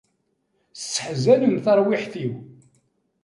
Sseḥzanen tarwiḥt-iw.